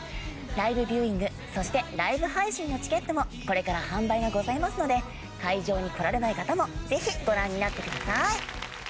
ライブ・ビューイングそしてライブ配信のチケットもこれから販売がございますので会場に来られない方もぜひご覧になってください。